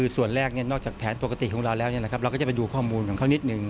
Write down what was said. ส่วนแรกนอกจากแผนปกติของเราแล้วเราก็จะไปดูข้อมูลของเขานิดนึง